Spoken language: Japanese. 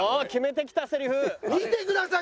見てください